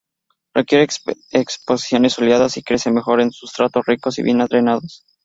Requiere exposiciones soleadas y crece mejor en sustratos ricos y bien drenados.